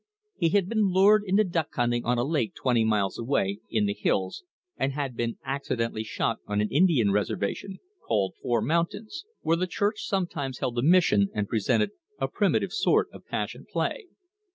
He had been lured into duck hunting on a lake twenty miles away, in the hills, and had been accidentally shot on an Indian reservation, called Four Mountains, where the Church sometimes held a mission and presented a primitive sort of passion play.